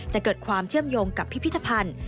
จะเกิดความเชื่อมโยงกับพิพิธภัณฑ์